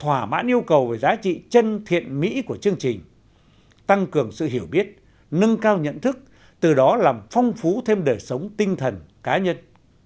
thỏa mãn yêu cầu về giá trị chân thiện mỹ của chương trình tăng cường sự hiểu biết nâng cao nhận thức từ đó làm phong phú thêm đời sống tinh thần cá nhân